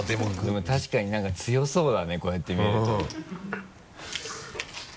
でも確かに何か強そうだねこうやって見ると。